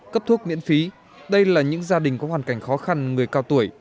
cấp thuốc miễn phí đây là những gia đình có hoàn cảnh khó khăn người cao tuổi